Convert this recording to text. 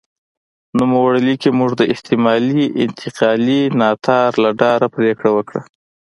نوموړی لیکي موږ د احتمالي انتقالي ناتار له ډاره پرېکړه وکړه.